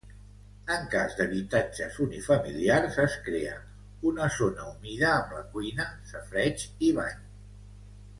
En cas d'habitatges unifamiliars, es crea una zona humida amb la cuina, safareig i bany.